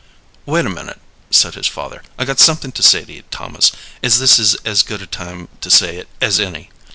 "Wait a minute," said his father. "I've got something to say to ye, Thomas, an' this is as good a time to say it as any.